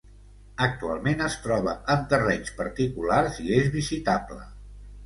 Actualment es troba en terrenys particulars i és visitable.